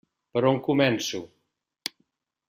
Per on començo?